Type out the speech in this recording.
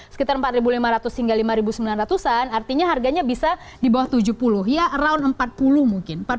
sekitar empat lima ratus hingga rp lima sembilan ratus an artinya harganya bisa di bawah tujuh puluh ya around empat puluh mungkin